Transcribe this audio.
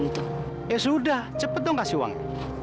ya sudah cepet dong kasih uang